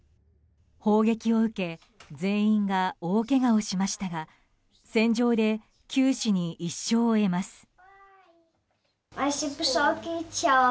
砲撃を受け全員が大けがをしましたが戦場で九死に一生を得ます。